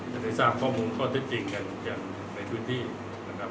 จะได้ทราบข้อมูลข้อเท็จจริงกันอย่างในพื้นที่นะครับ